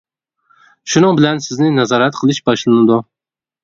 شۇنىڭ بىلەن سىزنى نازارەت قىلىش باشلىنىدۇ.